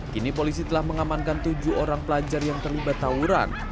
kini polisi telah mengamankan tujuh orang pelajar yang terlibat tawuran